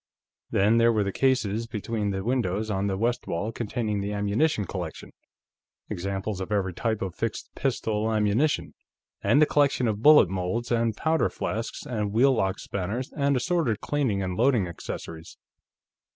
Then, there were the cases between the windows on the west wall, containing the ammunition collection examples of every type of fixed pistol ammunition and the collection of bullet molds and powder flasks and wheel lock spanners and assorted cleaning and loading accessories.